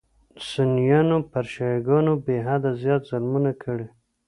سنیانو پر شیعه ګانو بېحده زیات ظلمونه کړي.